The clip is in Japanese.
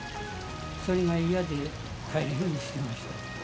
それが嫌で、かえるようにしてま